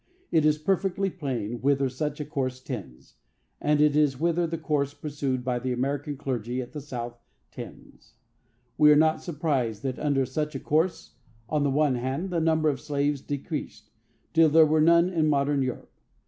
It is as perfectly plain whither such a course tends, as it is whither the course pursued by the American clergy at the South tends. We are not surprised that under such a course, on the one hand, the number of slaves decreased, till there were none in modern Europe.